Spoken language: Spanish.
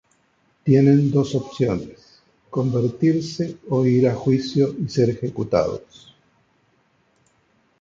Tienen dos opciones: convertirse o ir a juicio y ser ejecutados.